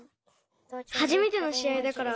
はじめてのしあいだから。